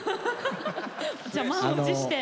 じゃあ満を持して。